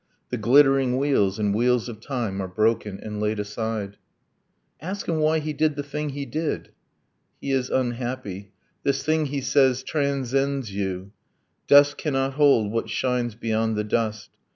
. The glittering wheels in wheels of time are broken And laid aside ...' 'Ask him why he did the thing he did!' 'He is unhappy. This thing, he says, transcends you: Dust cannot hold what shines beyond the dust